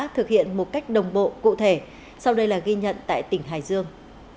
thực hiện một cách đồng bộ cụ thể sau đây là ghi nhận tại tỉnh hải dương